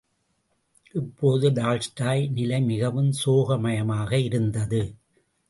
இப்போது டால்ஸ்டாய் நிலை மிகவும் சோக மயமாக இருந்தது.